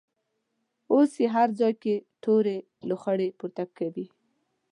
اوس یې هر ځای کې تورې لوخړې پورته کوي.